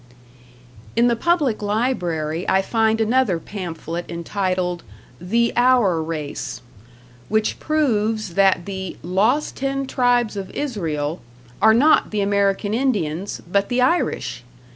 In the public library I find another pamphlet, entitled "The Our Race," which proves that the "lost ten tribes of Israel" are not the American Indians, but the Irish!